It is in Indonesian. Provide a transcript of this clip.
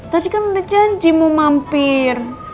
tapi kan udah janji mau mampir